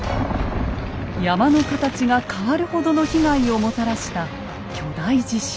山の形が変わるほどの被害をもたらした巨大地震。